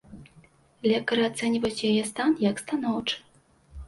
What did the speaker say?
Лекары ацэньваюць яе стан як станоўчы.